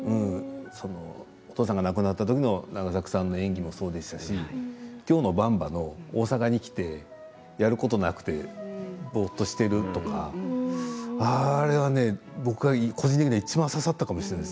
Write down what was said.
お父ちゃんが亡くなった時の永作さんの演技もそうでしたし今日の、ばんばが大阪に来てやることがなくてぼーっとしているとかあれは僕は個人的にいちばん刺さったかもしれない。